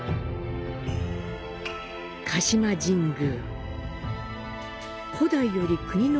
鹿島神宮。